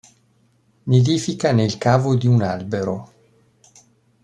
Nidifica nel cavo di un albero.